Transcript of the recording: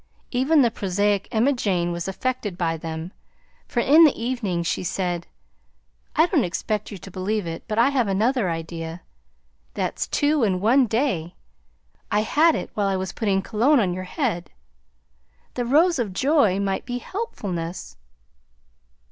Even the prosaic Emma Jane was affected by them, for in the evening she said, "I don't expect you to believe it, but I have another idea, that's two in one day; I had it while I was putting cologne on your head. The rose of joy might be helpfulness."